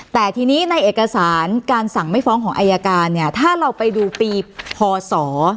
แต่ทีนี้ในเอกสารการสั่งไม่ฟ้องของอายการเนี่ยถ้าเราไปดูปีพศ